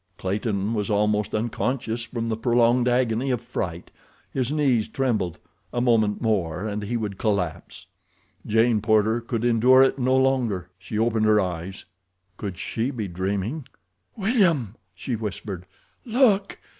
Clayton was almost unconscious from the prolonged agony of fright—his knees trembled—a moment more and he would collapse. Jane Porter could endure it no longer. She opened her eyes. Could she be dreaming? "William," she whispered; "look!"